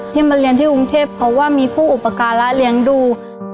มาเรียนที่กรุงเทพเพราะว่ามีผู้อุปการะเลี้ยงดู